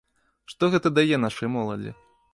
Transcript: Што гэта дае нашай моладзі?